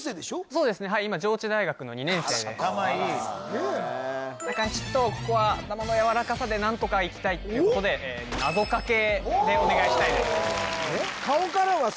そうですねはい今賢い・頭いいだからちょっとここは頭のやわらかさで何とかいきたいってことでなぞかけでお願いしたいです